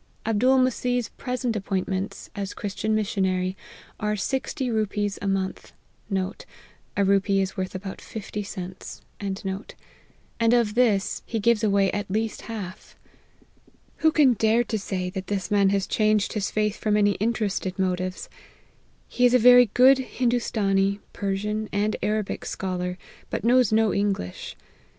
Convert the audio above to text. Abdool Messeeh's present appoint ments, as Christian missionary, are sixty rupees a month,* and of this, he gives away at least half. Who can dare to say, that this man has changed his faith from any interested motives ? He is a very good Hindoostanee, Persian, and Arabic scholar, but knows no English.